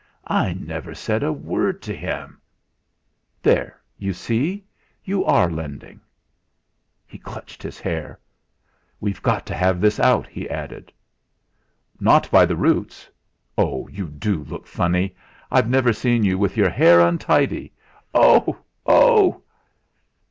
I never said a word to him " "There you see you are lending!" He clutched his hair. "We've got to have this out," he added. "Not by the roots! Oh! you do look funny. I've never seen you with your hair untidy. Oh! oh!"